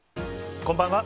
こんばんは。